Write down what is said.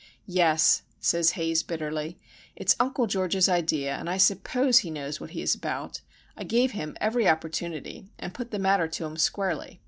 "Yes," says Haze, bitterly. "It's Uncle George's idea, and I suppose he knows what he is about. I gave him every opportunity, and put the matter to him squarely.